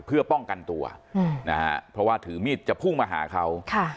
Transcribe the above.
เพื่อป้องกันตัวนะฮะเพราะว่าถือมีดจะพุ่งมาหาเขา